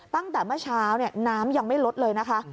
ตั้งแต่เมื่อเช้าน้ำยังไม่ลดเลยนะคะ